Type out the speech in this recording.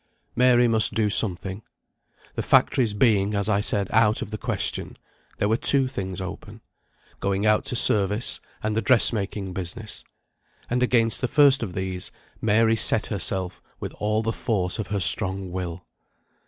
Mary must do something. The factories being, as I said, out of the question, there were two things open going out to service, and the dressmaking business; and against the first of these, Mary set herself with all the force of her strong will.